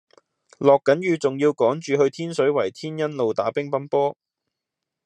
落緊雨仲要趕住去天水圍天恩路打乒乓波